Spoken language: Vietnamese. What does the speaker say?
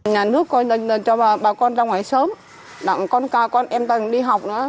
nhà nước cho bà con ra ngoài sớm đặng con ca con em ta đi học nữa